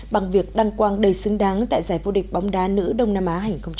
bằng việc đăng quang đầy xứng đáng tại giải vô địch bóng đá nữ đông nam á hai nghìn hai mươi